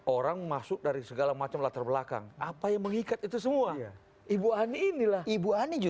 orang masuk dari segala macam latar belakang apa yang mengikat itu semua ibu ani inilah ibu ani